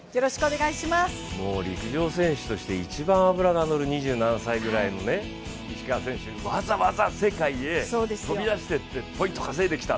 陸上選手として一番脂がのる２７歳ぐらいのね、わざわざ世界へ飛び出していってポイントを稼いできた、